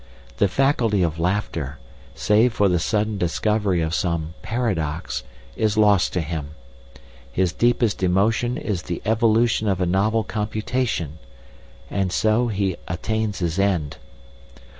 The faculty of laughter, save for the sudden discovery of some paradox, is lost to him; his deepest emotion is the evolution of a novel computation. And so he attains his end.